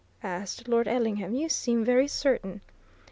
asked Lord Ellingham. "You seem very certain."